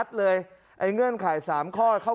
การเงินมันมีฝ่ายฮะ